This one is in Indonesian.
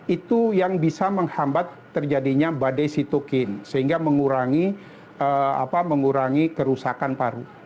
itu yang bisa menghambat terjadinya badai sitokin sehingga mengurangi kerusakan paru